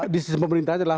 di sisi pemerintahan adalah